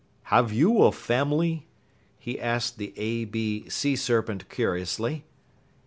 "Have you a family?" he asked the A B Sea Serpent curiously.